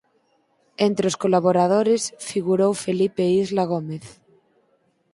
Entre os colaboradores figurou Felipe Isla Gómez.